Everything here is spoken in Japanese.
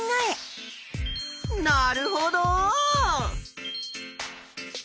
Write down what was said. なるほど！